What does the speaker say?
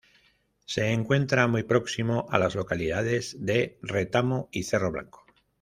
Se encuentra muy próximo a las localidades de Retamo y Cerro Blanco.